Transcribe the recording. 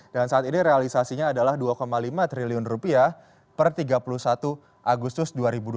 dan saat ini realisasinya adalah dua lima triliun rupiah per tiga puluh satu agustus dua ribu dua puluh satu